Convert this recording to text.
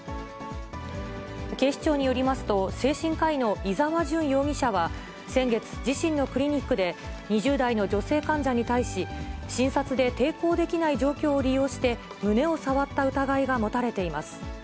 警視庁によりますと、精神科医の伊沢純容疑者は先月、自身のクリニックで、２０代の女性患者に対し、診察で抵抗できない状況を利用して、胸を触った疑いが持たれています。